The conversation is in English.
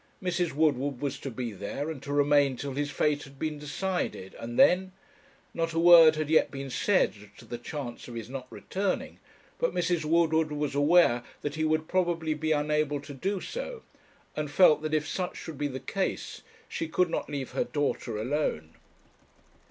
Mrs. Woodward was to be there and to remain till his fate had been decided, and then Not a word had yet been said as to the chance of his not returning; but Mrs. Woodward was aware that he would probably be unable to do so, and felt, that if such should be the case, she could not leave her daughter alone.